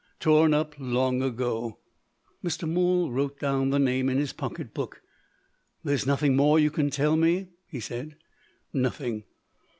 "Torn up, long ago." Mr. Mool wrote down the name in his pocket book. "There is nothing more you can tell me?" he said. "Nothing."